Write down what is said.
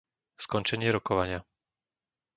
Skončenie rokovania